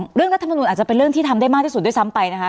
รัฐมนุนอาจจะเป็นเรื่องที่ทำได้มากที่สุดด้วยซ้ำไปนะคะ